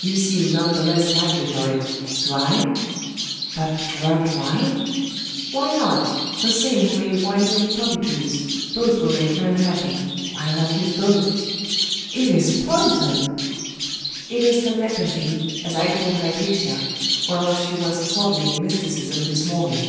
You seem none the less lively for it! Do I?' 'But drugged wine?' 'Why not? The same who made wine made poppy juice. Both will make man happy. Why not use both?' 'It is poison!' 'It is the nepenthe, as I told Hypatia, whereof she was twaddling mysticism this morning.